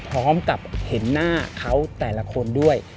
พร้อมกับเห็นหน้าเขาแต่ละคนด้วย